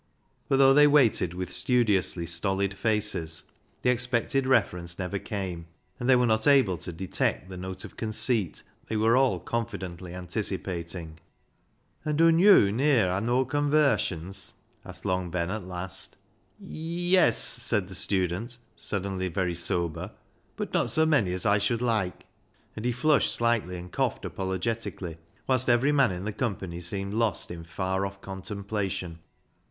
But though they waited with THE STUDENT 25 studiously stolid faces, the expected reference never came, and they were not able to detect the note of conceit they were all confidently anticipating. " An' dun yd ne'er ha' noa convarsions ?" asked Long Ben at last. " Y e s," said the student, suddenly very sober ;" but not so many as I should like." And he flushed slightly and coughed apologetic ally, whilst every man in the company seemed lost in far off contemplation.